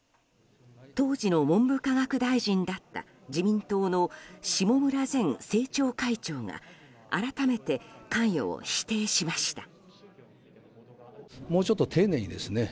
当時の文部科学大臣だった自民党の下村前政調会長が改めて関与を否定しました。